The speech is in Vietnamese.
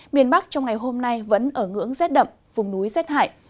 miền bắc trong ngày hôm nay vẫn ở ngưỡng rét đậm vùng núi rét hại